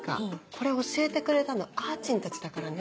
これ教えてくれたのあーちんたちだからね。